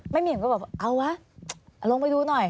เหมียมก็แบบเอาวะลงไปดูหน่อย